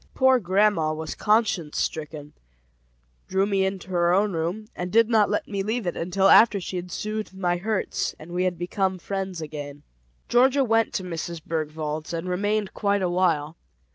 Poor grandma was conscience stricken, drew me into her own room, and did not let me leave it until after she had soothed my hurts and we had become friends again. Georgia went to Mrs. Bergwald's, and remained quite a while.